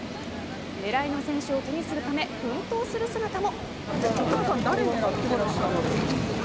狙いの選手を手にするため奮闘する姿も。